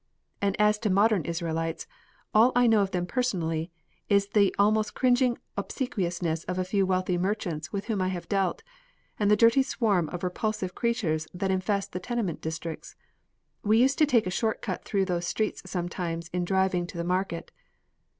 And as to modern Israelites, all I know of them personally is the almost cringing obsequiousness of a few wealthy merchants with whom I have dealt, and the dirty swarm of repulsive creatures that infest the tenement districts. We used to take a short cut through those streets sometimes in driving to the market.